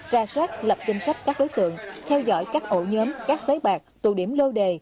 ra soát lập danh sách các đối tượng theo dõi các ổ nhóm các sới bạc tụ điểm lô đề